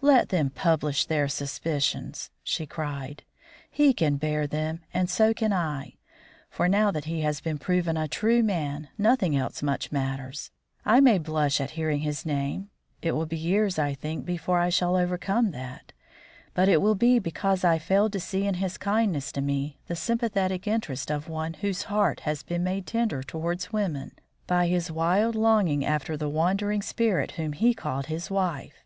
"Let them publish their suspicions!" she cried. "He can bear them and so can I; for now that he has been proven a true man, nothing else much matters. I may blush at hearing his name, it will be years, I think, before I shall overcome that, but it will be because I failed to see in his kindness to me the sympathetic interest of one whose heart has been made tender towards women by his wild longing after the wandering spirit whom he called his wife."